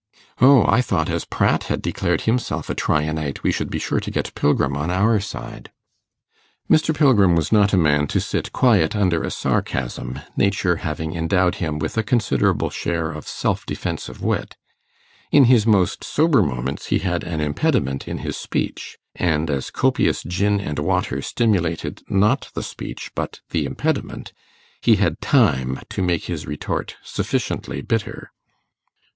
'O, I thought, as Pratt had declared himself a Tryanite, we should be sure to get Pilgrim on our side.' Mr. Pilgrim was not a man to sit quiet under a sarcasm, nature having endowed him with a considerable share of self defensive wit. In his most sober moments he had an impediment in his speech, and as copious gin and water stimulated not the speech but the impediment, he had time to make his retort sufficiently bitter.